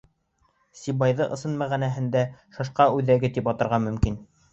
Сибайҙы ысын мәғәнәһендә шашка үҙәге тип атарға мөмкин.